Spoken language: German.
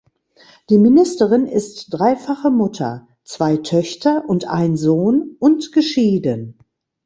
Die Ministerin ist dreifache Mutter (zwei Töchter und ein Sohn) und geschieden.